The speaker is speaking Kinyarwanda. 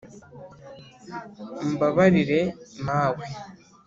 umbabarire mawe